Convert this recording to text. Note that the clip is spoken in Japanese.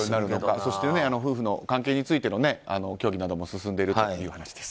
そして夫婦の関係についても協議などが進んでいるというお話です。